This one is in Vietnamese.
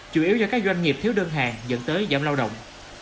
chủ yếu do các doanh nghiệp thiếu đơn hàng dẫn tới giảm lao động